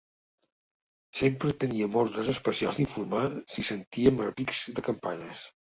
Sempre teníem ordres especials d'informar si sentíem repics de campanes